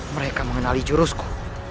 mereka mengenali jurusku